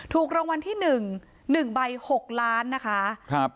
ถูกรางวัลที่หนึ่งหนึ่งใบหกล้านนะคะครับ